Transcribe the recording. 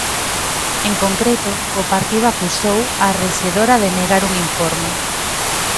En concreto, o partido acusou á rexedora de negar un informe.